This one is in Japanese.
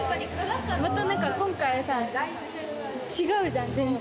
また今回さ違うじゃん全然。